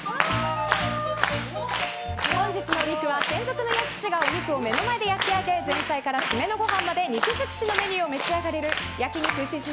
本日のお肉は、専属の焼き師がお肉を目の前で焼き上げ前菜から締めのごはんまで肉尽くしのメニューを召し上がれる焼肉牛印